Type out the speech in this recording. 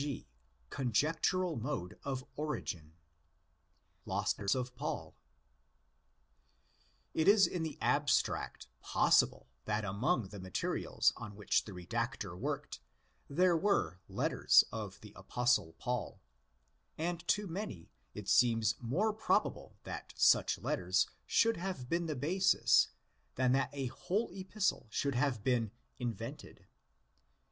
G.—Conjectural Mode of Origin. Lost Letters of Pal. It is in the abstract possible that among the materials on which the redactor worked there were letters of the Apostle Paul; and to many it seems more probable that such letters should have been the basis than that a whole Epistle should have been ''invented."